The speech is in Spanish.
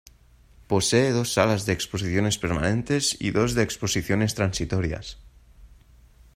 Posee dos salas de exposiciones permanentes y dos de exposiciones transitorias.